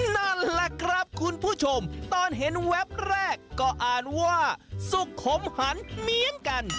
นั่นแหละครับคุณผู้ชมตอนเห็นแวบแรกก็อ่านว่าสุขขมหันเหมือนกัน